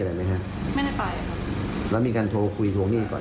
จะคุยอย่างไรอะไรอย่างนี้ครับก็มีการคุยกันนะครับ